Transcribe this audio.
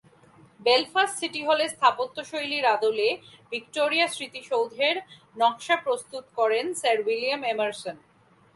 Belfast city হলের স্থাপত্যশৈলীর আদলে ভিক্টোরিয়া স্মৃতিসৌধের নকশা প্রস্তুত করেন স্যার উইলিয়াম এমারসন।